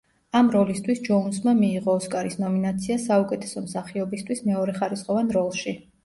ამ როლისთვის ჯოუნსმა მიიღო ოსკარის ნომინაცია საუკეთესო მსახიობისთვის მეორეხარისხოვან როლში.